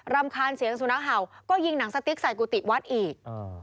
รำคาญเสียงสุนัขเห่าก็ยิงหนังสติ๊กใส่กุฏิวัดอีก